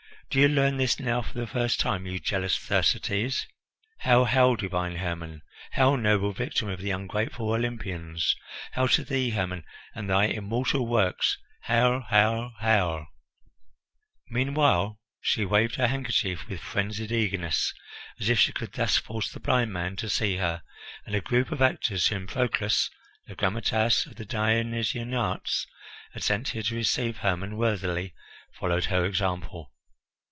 Do you learn this now for the first time, you jealous Thersites? Hail, hail, divine Hermon! Hail, noble victim of the ungrateful Olympians! Hail to thee, Hermon, and thy immortal works! Hail, hail, hail!" Meanwhile she waved her handkerchief with frenzied eagerness, as if she could thus force the blind man to see her, and a group of actors whom Proclus, the grammateus of the Dionysian arts, had sent here to receive Hermon worthily, followed her example.